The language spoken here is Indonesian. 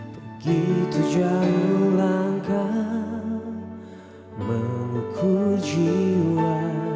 begitu jauh langkah mengukur jiwa